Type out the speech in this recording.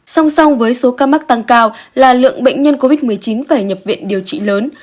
song song với số ca mắc tăng cao là lượng bệnh nhân covid một mươi chín phải nhập viện điều trị lớn